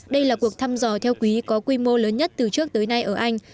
đây là cuộc thăm dò theo quý có quy mô lớn nhất từ trước tới nay ở anh